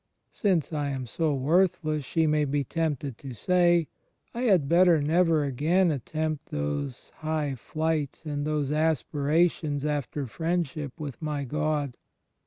" Since I am so worthless,'* she may be tempted to say, "I had better never again attempt those high flights and those aspirations after friendship with my God.